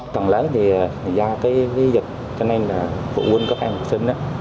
cần lớn thì do cái dịch cho nên là phụ huynh các em sinh đó